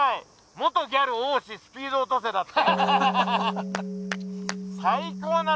「元ギャル多しスピード落とせ」だって。